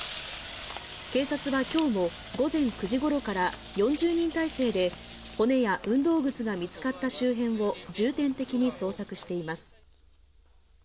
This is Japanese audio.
警察は今日も午前９時頃から４０人態勢で骨や運動靴などが見つかった周辺を重点的に捜索しています。